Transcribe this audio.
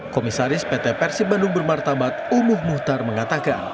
komisaris pt persib bandung bermartabat umuh muhtar mengatakan